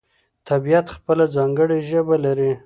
طبیعت خپله ځانګړې ژبه لري.